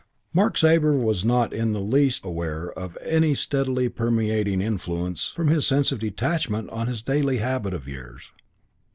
Mark Sabre was not in the least aware of any steadily permeating influence from his sense of detachment on this daily habit of years.